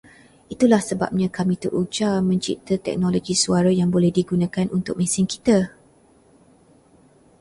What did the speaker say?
Itulah sebabnya kami teruja mencipta teknologi suara yang boleh digunakan untuk mesin kita